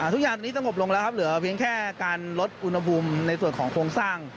ทุกอย่างนี้สงบลงแล้วครับเหลือเพียงแค่การลดอุณหภูมิในส่วนของโครงสร้าง